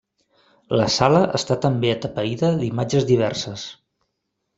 La sala està també atapeïda d'imatges diverses.